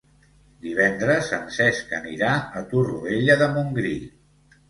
Divendres en Cesc anirà a Torroella de Montgrí.